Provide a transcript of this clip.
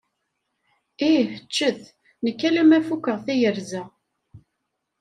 Ih ččet, nekk alemma fukeɣ tayerza.